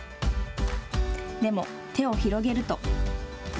でも、手を広げると。